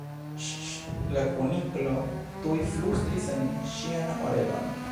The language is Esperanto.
"Ŝ! Ŝ!" la Kuniklo tuj flustris en ŝian orelon.